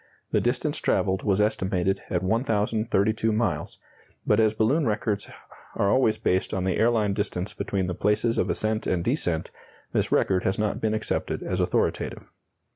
The distance travelled was estimated at 1,032 miles, but as balloon records are always based on the airline distance between the places of ascent and descent, this record has not been accepted as authoritative.